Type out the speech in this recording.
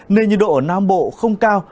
nên nhiệt độ ở nam bộ không cao